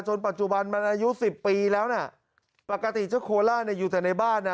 ปัจจุบันมันอายุสิบปีแล้วน่ะปกติเจ้าโคล่าเนี่ยอยู่แต่ในบ้านอ่ะ